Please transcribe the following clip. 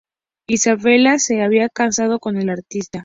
Isabella se había casado con el artista.